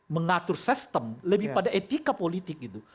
mengatur sistem lebih pada etika politik gitu